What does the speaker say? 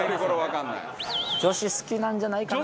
女子好きなんじゃないかな。